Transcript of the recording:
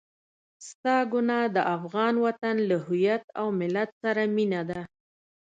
ستا ګناه د افغان وطن له هويت او ملت سره مينه ده.